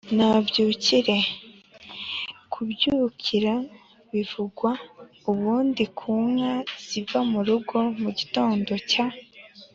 nabyukire: kubyukira bivugwa ubundi ku nka ziva mu rugo, mu gitondo cya